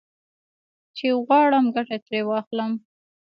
چې غواړم ګټه ترې واخلم.